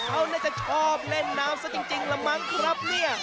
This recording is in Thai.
เขาน่าจะชอบเล่นน้ำซะจริงละมั้งครับเนี่ย